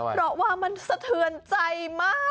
เพราะว่ามันสะเทือนใจมาก